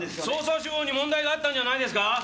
捜査手法に問題があったんじゃないですか！？